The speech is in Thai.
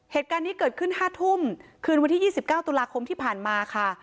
เหตุการณ์นี้เกิดขึ้น๕ทุ่มคืนวันที่๒๙ตุลาคมที่ผ่านมาค่ะ